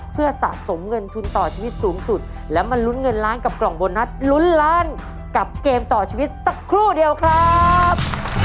เพื่อสะสมเงินทุนต่อชีวิตสูงสุดและมาลุ้นเงินล้านกับกล่องโบนัสลุ้นล้านกับเกมต่อชีวิตสักครู่เดียวครับ